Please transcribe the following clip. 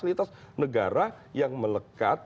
aktivitas negara yang melekat